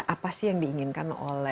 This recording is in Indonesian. apa sih yang diinginkan